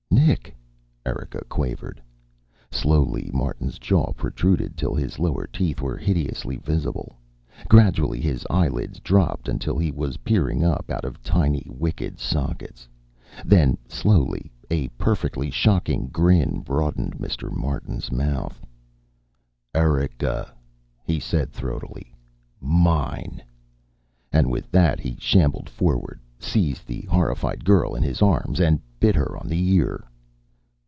"Nick!" Erika quavered. Slowly Martin's jaw protruded till his lower teeth were hideously visible. Gradually his eyelids dropped until he was peering up out of tiny, wicked sockets. Then, slowly, a perfectly shocking grin broadened Mr. Martin's mouth. "Erika," he said throatily. "Mine!" And with that, he shambled forward, seized the horrified girl in his arms, and bit her on the ear.